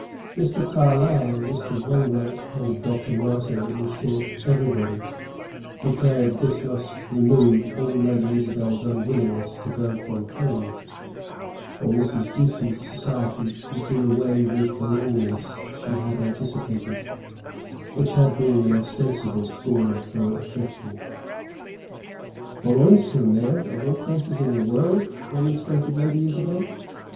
Mr. Carlyle, Mr. Wainwright, and Dr. Martin in short, everybody declared this must remove all Lady Isabel's unwillingness to go from home, for Mrs. Ducie's society would do away with the loneliness she had anticipated, which had been the ostensible score of her objection. "Boulogne sur Mer, of all places, in the world!" remonstrated Lady Isabel.